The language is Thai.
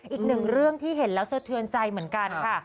อีกหนึ่งเรื่องที่เห็นแล้วสะเทือนใจเหมือนกันค่ะ